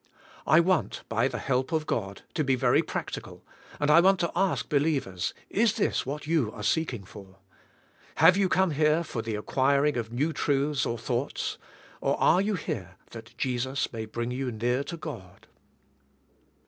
I want, by the help of God, to be very practical, and I want to ask believers, is this what you are seeking for? Have you come here for the acquiring of new 140 "THE SPIRITUAI^ I,IFE. truths or thoughts, or are you here that Jesus may bring" you near to God?